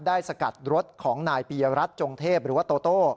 สกัดรถของนายปียรัฐจงเทพหรือว่าโตโต้